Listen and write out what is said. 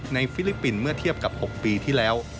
ฟิลิปปินส์เมื่อเทียบกับ๖ปีที่แล้ว